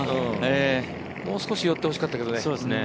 もう少し寄ってほしかったけどね。